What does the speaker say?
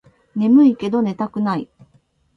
ねむいけど寝たくない